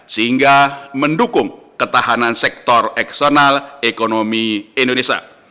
sehingga mendukung ketahanan sektor eksternal ekonomi indonesia